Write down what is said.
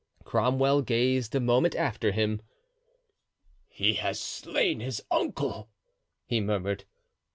Cromwell gazed a moment after him. "He has slain his uncle!" he murmured.